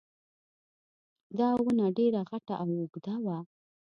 دا ونه ډېره غټه او اوږده وه